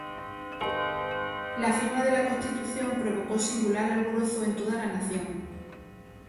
La firma de la Constitución provocó singular alborozo en toda la Nación.